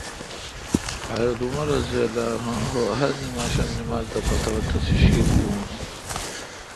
حضرت عمرؓہرنماشام نمازداپتاتسیشی تہ بونس۔